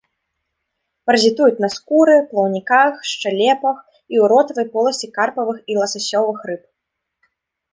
Паразітуюць на скуры, плаўніках, шчэлепах і ў ротавай поласці карпавых і ласасёвых рыб.